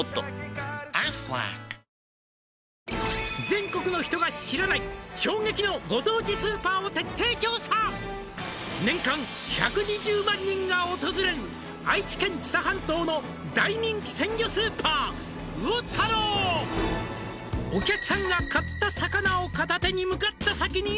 「全国の人が知らない衝撃のご当地スーパーを徹底調査」「年間１２０万人が訪れる」「愛知県知多半島の大人気鮮魚スーパー」「魚太郎」「お客さんが買った魚を片手に向かった先に」